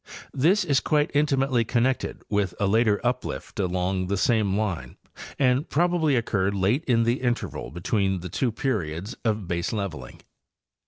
This is quite intimately connected with a later uplift along the same line and 'probably occurred late in the interval between the two periods of baseleveling.